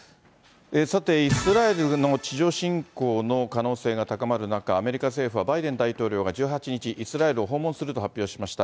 さて、イスラエルの地上侵攻の可能性が高まる中、アメリカ政府はバイデン大統領が１８日、イスラエルを訪問すると発表しました。